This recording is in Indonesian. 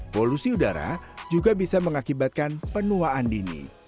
polusi udara juga bisa mengakibatkan penuaan dini